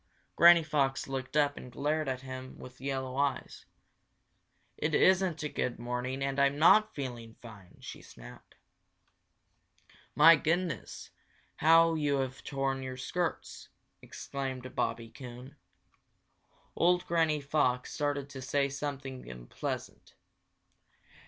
Granny Fox looked up and glared at him with yellow eyes. "It isn't a good morning and I'm not feeling fine!" she snapped. "My goodness, how you have torn your skirts!" exclaimed Bobby Coon. Old Granny Fox started to say something unpleasant.